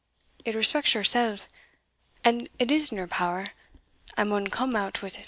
"It respects yoursell, and it is in your power, and I maun come out wi't.